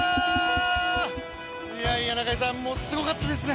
いやいや中居さん、すごかったですね。